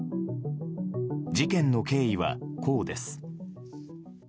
事件の経緯は、こうです。